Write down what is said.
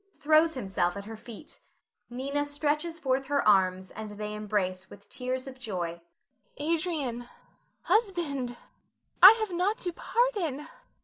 [Throws himself at her feet. Nina stretches forth her arms, and they embrace with tears of joy.] Nina. Adrian, husband, I have naught to pardon.